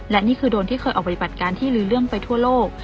และนี่คือโดรนที่เคยออกปฏิบัติการที่ลือเรื่องไปทั่วโลก